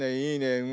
いいね。